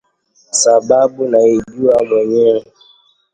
Sababu naijua mwenyewe